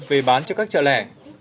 về bán cho các chợ lẻ